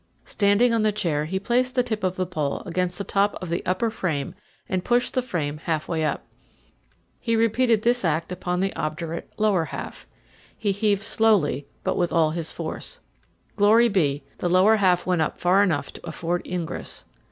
Standing on the chair he placed the tip of the pole against the top of the upper frame and pushed the frame halfway up. He repeated this act upon the obdurate lower half. He heaved slowly but with all his force. Glory be, the lower half went up far enough to afford ingress!